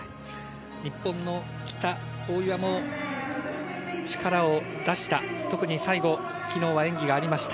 日本の喜田、大岩も力を出した特に最後昨日は演技がありました。